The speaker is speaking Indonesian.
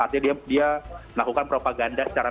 dia melakukan propaganda secara